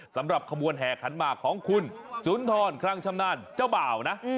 สำหรับขบวนแห่ขันหมากของคุณสุนทรคลังชำนาญเจ้าบ่าวนะ